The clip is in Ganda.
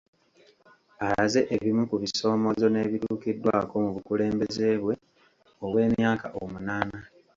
Alaze ebimu ku bisoomoozo n’ebituukiddwako mu bukulembeze bwe obw’emyaka omunaana.